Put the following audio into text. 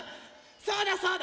そうだそうだ！